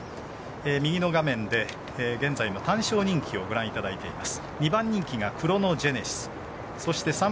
右の画面で現在の単勝人気をご覧いただいています。